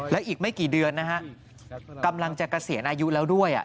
แล้วอีกไม่กี่เดือนนะฮะกำลังจะเกษียณอายุแล้วด้วย